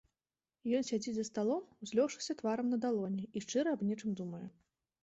Ён сядзіць за сталом, узлёгшыся тварам на далоні, і шчыра аб нечым думае.